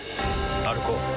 歩こう。